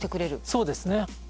そうですね。